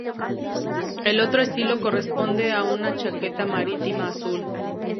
El otro estilo corresponde a una chaqueta marítima azul.